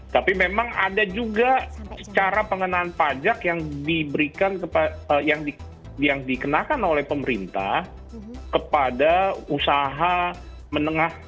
tapi memang ada juga cara pengenaan pajak yang diberikan yang dikenakan oleh pemerintah kepada usaha menengah